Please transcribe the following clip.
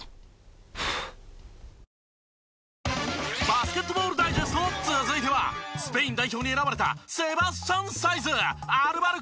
バスケットボールダイジェスト続いてはスペイン代表に選ばれた。